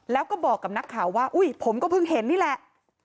แล้วก็บอกกับนักข่าวว่าอุ้ยผมก็เพิ่งเห็นนี่แหละ